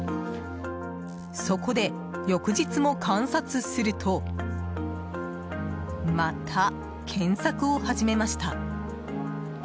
そこで、翌日も観察するとまた、検索を始めました。